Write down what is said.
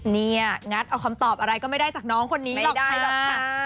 เนี่ยงัดเอาคำตอบอะไรก็ไม่ได้จากน้องคนนี้ไม่ได้หรอกค่ะ